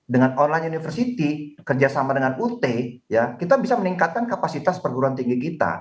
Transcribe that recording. dengan online university kerjasama dengan ut kita bisa meningkatkan kapasitas perguruan tinggi kita